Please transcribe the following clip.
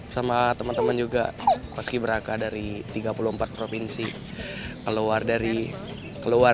sama temen temen juga pas kiberaka dari tiga puluh empat provinsi keluar dari cibubur